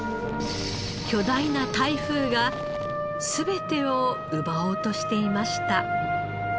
巨大な台風が全てを奪おうとしていました。